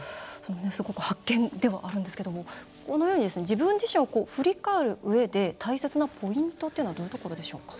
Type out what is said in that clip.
すごく発見ではあるんですけども、このように自分自身を振り返るうえで大切なポイントっていうのはどういうところでしょうか？